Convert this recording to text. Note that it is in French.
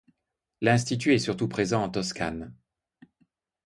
L'institut est surtout présent en Toscane.